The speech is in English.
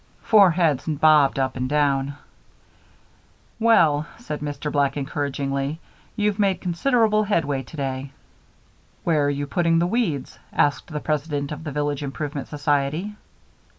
Four heads bobbed up and down. "Well," said Mr. Black, encouragingly, "you've made considerable headway today." "Where are you putting the weeds?" asked the president of the Village Improvement Society.